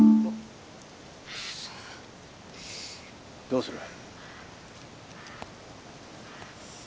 どうする？